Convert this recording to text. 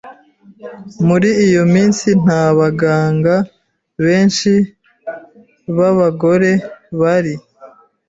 Muri iyo minsi nta baganga benshi b'abagore bari.